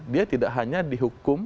dia tidak hanya dihukum